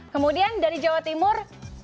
kemudian dari jawa timur